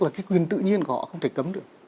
là cái quyền tự nhiên của họ không thể cấm được